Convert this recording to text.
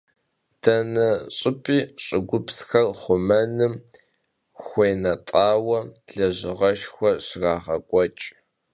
Dene ş'ıp'i ş'ıgupsxer xhumenım xueunet'aue lejığeşşxue şrağek'ueç'.